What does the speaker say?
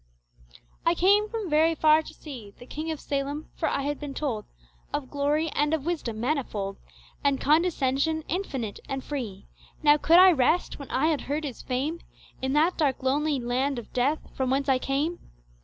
I came from very far to see The King of Salem, for I had been told Of glory and of wisdom manyfold, And condescension infinite and free. Now could I rest, when I had heard his fame, In that dark lonely land of death, from whence I came?